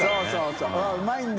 舛うまいんだ。